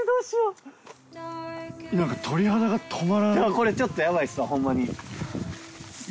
これちょっとヤバいっすわホンマに。